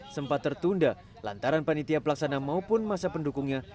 sempat tertunda lantaran panitia pelaksana maupun masa pendukungnya